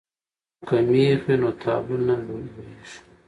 که مېخ وي نو تابلو نه لویږي.